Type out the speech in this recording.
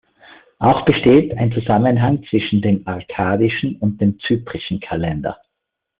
Auch besteht ein Zusammenhang zwischen dem arkadischen und dem zyprischen Kalender.